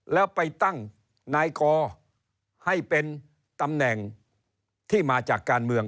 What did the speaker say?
แล้วไปตั้งนายกอให้เป็นตำแหน่งที่มาจากการเมือง